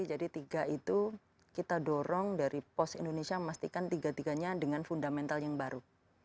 jadi tiga itu kita dorong dari pos indonesia memastikan tiga tiganya dengan fundamental yang baru